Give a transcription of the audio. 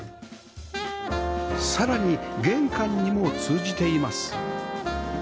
さらに玄関にも通じています